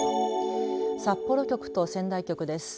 札幌局と仙台局です。